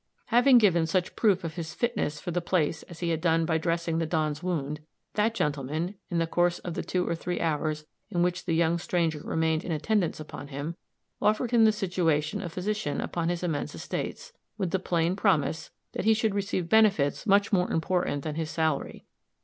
Having given such proof of his fitness for the place as he had done by dressing the Don's wound, that gentleman, in the course of the two or three hours in which the young stranger remained in attendance upon him, offered him the situation of physician upon his immense estates, with the plain promise that he should receive benefits much more important than his salary.